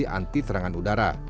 seperti serangan udara